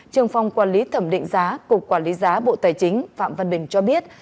trường phòng quản lý thẩm định giá cục quản lý giá bộ tài chính phạm văn bình cho biết